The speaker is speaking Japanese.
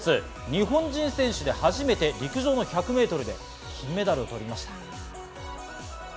日本人選手で初めて陸上の１００メートルで金メダルを取りました。